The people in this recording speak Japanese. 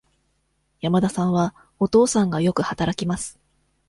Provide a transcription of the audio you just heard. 山田さんは、お父さんがよく働きます。